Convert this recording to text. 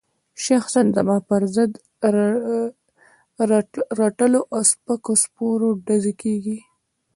شخصاً زما پر ضد رټلو او سپکو سپور ډزې کېږي.